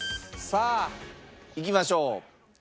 さあいきましょう。